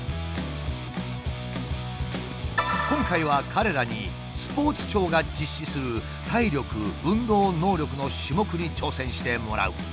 今回は彼らにスポーツ庁が実施する体力・運動能力の種目に挑戦してもらう。